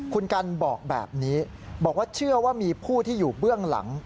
คุณกันบอกแบบนี้บอกว่าเชื่อว่ามีผู้ที่อยู่เบื้องหลัง